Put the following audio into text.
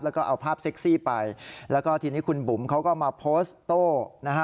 แล้วก็เอาภาพเซ็กซี่ไปแล้วก็ทีนี้คุณบุ๋มเขาก็มาโพสต์โต้นะฮะ